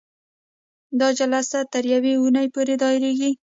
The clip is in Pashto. دا جلسه تر یوې اونۍ پورې دایریږي.